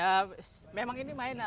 ya memang ini mainan